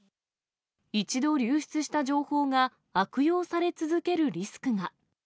一度流出した情報が悪用され続けるリスクが。